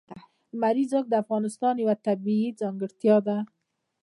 لمریز ځواک د افغانستان یوه طبیعي ځانګړتیا ده.